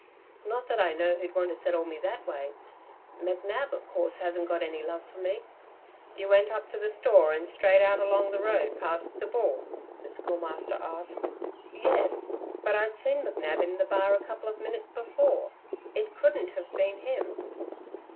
"Not that I know who'd want to settle me that way. McNab, of course, hasn't got any love for me." "You went up to the store and straight out along the road past the Bull?" the Schoolmaster asked. "Yes, but I'd seen McNab in the bar a couple of minutes before. It couldn't have been him."